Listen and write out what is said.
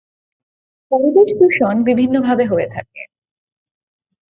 পরিবেশ দূষণ বিভিন্নভাবে হয়ে থাকে।